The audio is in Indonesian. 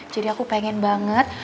jadi aku pengen banget